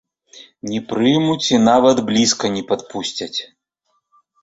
Не прымуць і нават блізка не падпусцяць.